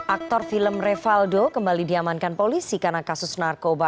aktor film revaldo kembali diamankan polisi karena kasus narkoba